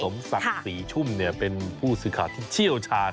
สมศักดิ์ศรีชุ่มเป็นผู้สื่อข่าวที่เชี่ยวชาญ